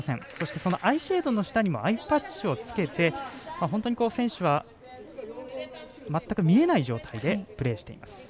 そのアイシェードの下にもアイパッチをつけて選手は全く見えない状態でプレーしています。